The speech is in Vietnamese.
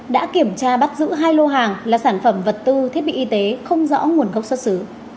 đã kiểm tra bắt giữ hai lô hàng là sản phẩm vật tư thiết bị y tế không rõ nguồn gốc xuất xứ